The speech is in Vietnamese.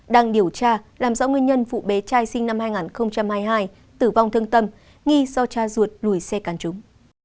đang điều tra làm rõ nguyên nhân vụ bé trai sinh năm hai nghìn hai mươi hai tử vong thương tâm nghi do cha ruột lùi xe căn chúng